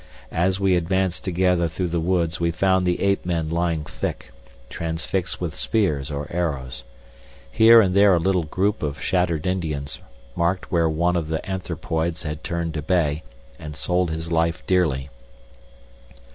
As we advanced together through the woods we found the ape men lying thick, transfixed with spears or arrows. Here and there a little group of shattered Indians marked where one of the anthropoids had turned to bay, and sold his life dearly.